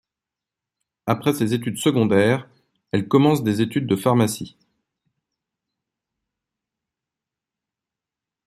Après ses études secondaires, elle commence des études de pharmacie.